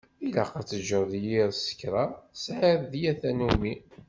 Ilaq ad teǧǧeḍ yir skra tesεiḍ d yir tannumi.